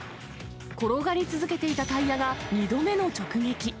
転がり続けていたタイヤが２度目の直撃。